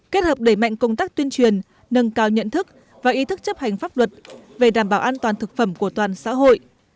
kết hợp đẩy mạnh công tác tuyên truyền nâng cao nhận thức và ý thức chấp hành pháp luật về đảm bảo an toàn thực phẩm của toàn xã hội